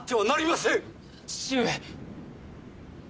父上！